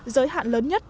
giới hạn lớn nhất